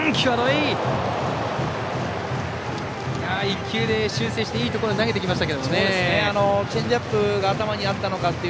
一球で修正していいところに投げてきました。